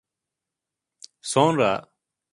Sonra...